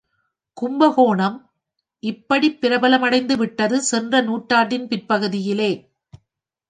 கும்பகோணம் இப்படிப் பிரபலமடைந்துவிட்டது சென்ற நூற்றாண்டின் பிற்பகுதியிலே.